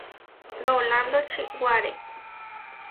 Rolándo čiʼwáre.